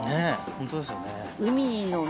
ホントですよね。